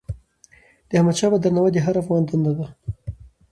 د احمدشاه بابا درناوی د هر افغان دنده ده.